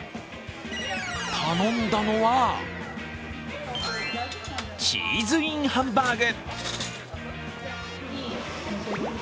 頼んだのは、チーズＩＮハンバーグ。